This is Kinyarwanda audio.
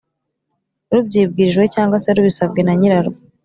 rubyibwirije cyangwa se rubisabwe na nyirarwo.